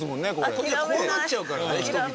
こうなっちゃうからね人々が。